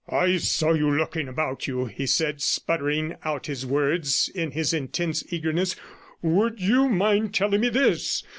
T saw you looking about you,' he said, sputtering out his words in his intense eagerness; 'would you mind telling me this!